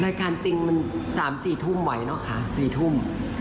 รายการจริง๓๔ทุ่มไหวเนอะคะ๔ทุ่ม